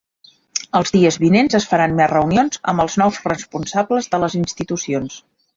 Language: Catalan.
Els dies vinents es faran més reunions amb els nous responsables de les institucions.